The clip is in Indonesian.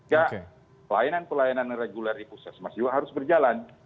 jadi pelayanan pelayanan reguler di puskesmas juga harus berjalan